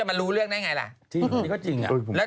มันต้องเสร็จแล้ว